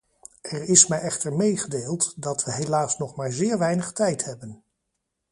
Er is mij echter meegedeeld dat we helaas nog maar zeer weinig tijd hebben.